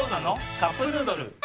「カップヌードル」